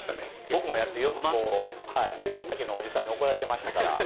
僕もよくやって畑のおじさんに怒られてましたから。